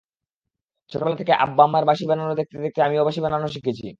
ছোটবেলা থেকে আব্বা-আম্মার বাঁশি বানানো দেখতে দেখতে আমিও বাঁশি বানানো শিখেছি।